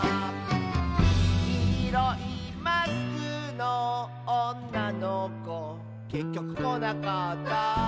「きいろいマスクのおんなのこ」「けっきょくこなかった」